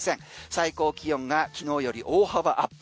最高気温が昨日より大幅アップ。